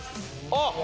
あっ！